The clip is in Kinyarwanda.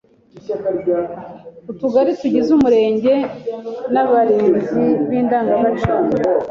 Utugari tugize Umurenge n’abarinzi b’indangagaciro